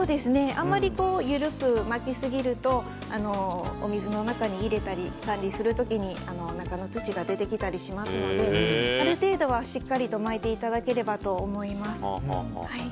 あまり緩く巻きすぎるとお水の中に入れたり、管理する時に中の土が出てきたりしますのである程度は、しっかりと巻いていただければと思います。